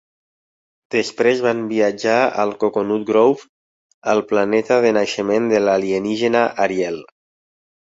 Després van viatjar al "Coconut Grove", el planeta de naixement de l'alienígena Ariel.